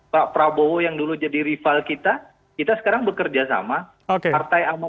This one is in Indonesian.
pak prabowo yang dulu jadi rival kita kita sekarang bekerja sama